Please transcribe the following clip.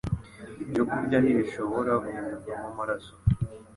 Ibyokurya ntibishobora guhindurwamo amaraso